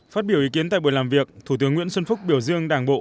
phát biểu ý kiến tại buổi làm việc thủ tướng nguyễn xuân phúc biểu dương đảng bộ